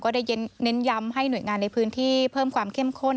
ได้เน้นย้ำให้หน่วยงานในพื้นที่เพิ่มความเข้มข้น